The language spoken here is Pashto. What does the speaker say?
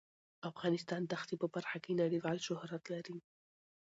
افغانستان د ښتې په برخه کې نړیوال شهرت لري.